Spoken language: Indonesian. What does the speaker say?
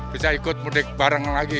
bisa ikut mudik bareng lagi